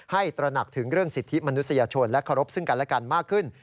ตระหนักถึงเรื่องสิทธิมนุษยชนและเคารพซึ่งกันและกันมากขึ้น